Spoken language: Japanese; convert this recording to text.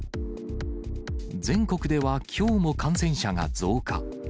全国ではきょうも感染者が増加。